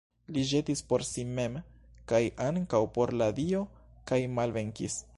Li ĵetis por si mem kaj ankaŭ por la dio kaj malvenkis.